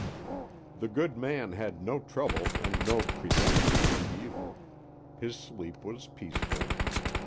The good man had no trouble and no presentiment of evil; his sleep was peaceful.